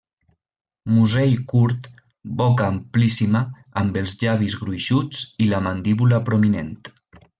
Musell curt, boca amplíssima amb els llavis gruixuts i la mandíbula prominent.